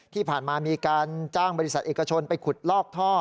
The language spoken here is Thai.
ที่ผ่านมามีการจ้างบริษัทเอกชนไปขุดลอกท่อ